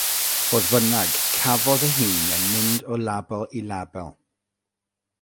Fodd bynnag, cafodd ei hun yn mynd o label i label.